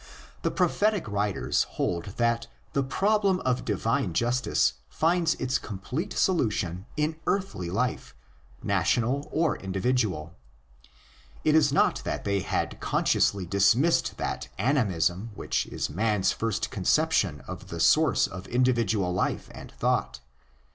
The prophetic writers hold that the problem of divine justice finds its complete solution in earthly life, national or individual. It is not that they had con sciously dismissed that '' animism' which 18 man's first conception of the source of individual life and thought.